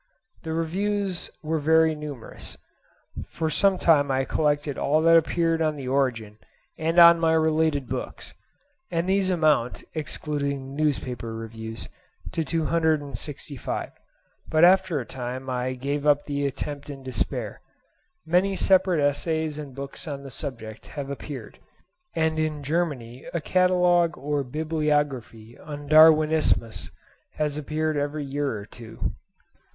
The reviews were very numerous; for some time I collected all that appeared on the 'Origin' and on my related books, and these amount (excluding newspaper reviews) to 265; but after a time I gave up the attempt in despair. Many separate essays and books on the subject have appeared; and in Germany a catalogue or bibliography on "Darwinismus" has appeared every year or two.